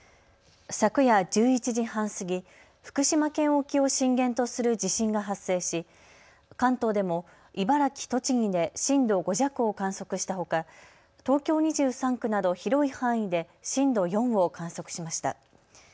昨夜１１時半過ぎ、福島県沖を震源とする地震が発生し関東でも茨城、栃木で震度５弱を観測したほか東京２３区など広い範囲で震度４を観測しました。